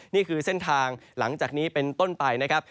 นี่คือเส้นทางหลังจากนี้เป็นต้นไปนะครับ